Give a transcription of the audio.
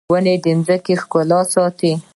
ونې د ځمکې ښکلا ساتي